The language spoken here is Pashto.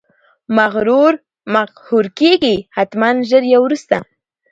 مغرور مقهور کیږي، حتمأ ژر یا وروسته!